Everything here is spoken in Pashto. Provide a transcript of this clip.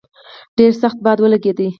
ډېر سخت باد ولګېد.